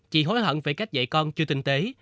chị hối hận về cách dạy con chưa tinh tế